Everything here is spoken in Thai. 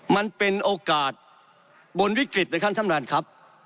มันเป็นโอกาสบนวิกฤตนะครับท่านประธานครับ